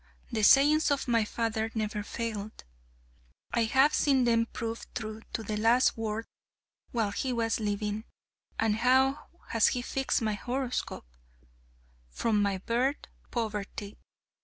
The sayings of my father never failed. I have seen them prove true to the last word while he was living; and how has he fixed my horoscope! 'FROM MY BIRTH POVERTY!'